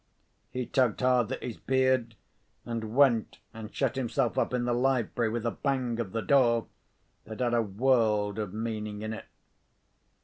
He tugged hard at his beard, and went and shut himself up in the library with a bang of the door that had a world of meaning in it.